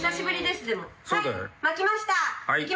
できました。